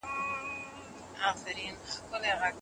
که نجونې مشرانو ته خدمت وکړي نو دعا به نه وي کمه.